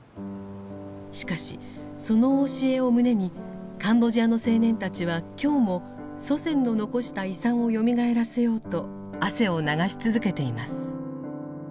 しかしその教えを胸にカンボジアの青年たちは今日も祖先の残した遺産をよみがえらせようと汗を流し続けています。